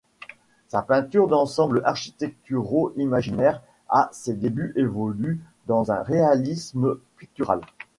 Sa peinture d'ensembles architecturaux imaginaires à ses débuts évolue vers un réalisme pictural.